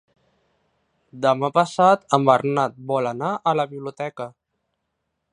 Demà passat en Bernat vol anar a la biblioteca.